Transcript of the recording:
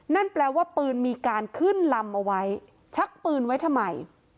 นั่นแปลว่าปืนมีการขึ้นลำเอาไว้ชักปืนไว้ทำไม